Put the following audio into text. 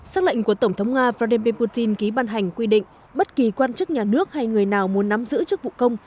xác lệnh của tổng thống nga vladimir putin ký ban hành quy định bất kỳ quan chức nhà nước hay người nào muốn nắm giữ chức vụ công